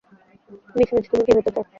Miss-miss, তুমি কী হতে চাও?